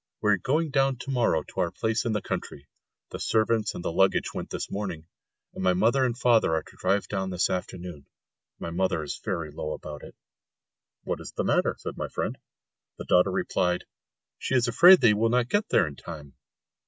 We are going down to morrow to our place in the country; the servants and the luggage went this morning, and my mother and father are to drive down this afternoon my mother is very low about it." "What is the matter?" said my friend. The daughter replied, "She is afraid that they will not get there in time!"